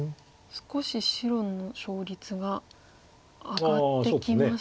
少し白の勝率が上がってきましたね。